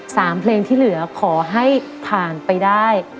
สามเพลงที่เหลือขอให้ผ่านไปได้